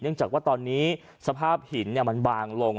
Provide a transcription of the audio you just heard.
จากว่าตอนนี้สภาพหินมันบางลง